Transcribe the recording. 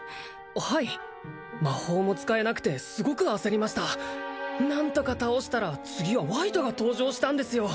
はい魔法も使えなくてすごく焦りました何とか倒したら次はワイトが登場したんですよ